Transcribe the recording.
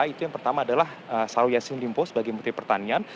itu yang pertama adalah syahrul yassin limpo sebagai menteri pertanian